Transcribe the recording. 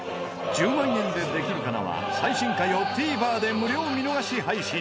『１０万円でできるかな』は最新回をＴＶｅｒで無料見逃し配信。